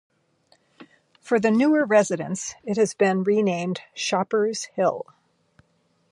For the newer residents, it has been renamed Shoppers' Hill.